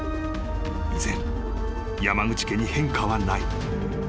［依然山口家に変化はない］